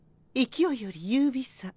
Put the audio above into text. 勢いより優美さ。